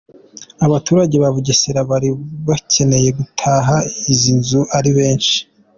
Abaturage ba Bugesera bari bakereye gutaha izi nzu ari benshi.